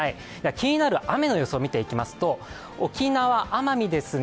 気になる雨の予想を見ていきますと、沖縄・奄美ですね。